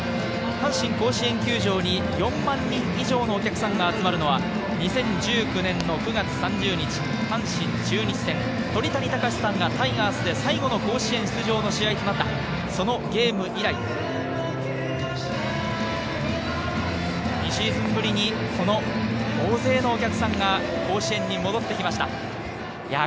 阪神甲子園球場に４万人以上のお客さんが集まるのは２０１９年の９月３０日、阪神中日戦で鳥谷敬さんがタイガースで甲子園最後の出場となったそのゲーム以来、２シーズンぶりに大勢のお客さんが甲子園に戻ってきました。